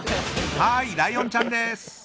ライオンちゃんです。